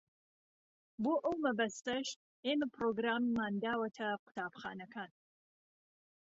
بۆ ئەو مەبەستەش ئێمە پرۆگراممان داوەتە قوتابخانەکان.